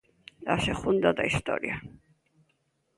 A segunda da historia.